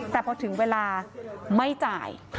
แต่พอถึงเวลาไม่จ่าย